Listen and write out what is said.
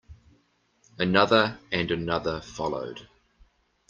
Another and another followed.